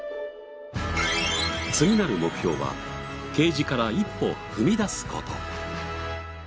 次なる目標はケージから一歩踏み出す事。